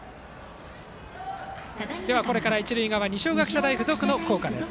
これから一塁側の二松学舎大付属の校歌です。